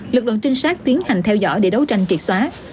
lực lượng trinh sát tiến hành theo dõi để đấu tranh triệt xóa